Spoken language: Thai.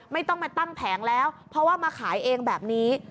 ไม่ต้องมาตั้งแผงแล้วเพราะว่ามาขายเองแบบนี้